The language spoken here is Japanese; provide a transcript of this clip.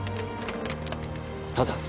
ただ